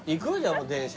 もう電車。